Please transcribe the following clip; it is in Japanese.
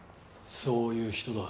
そういう人だ。